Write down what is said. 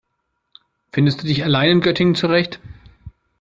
Findest du dich allein in Göttingen zurecht?